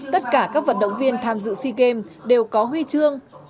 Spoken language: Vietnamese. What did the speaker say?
tất cả các vận động viên tham dự sea games đều có huy chương